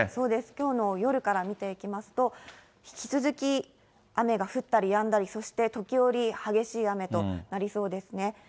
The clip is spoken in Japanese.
きょうの夜から見ていきますと、引き続き雨が降ったりやんだり、そして時折、激しい雨となりそうですね。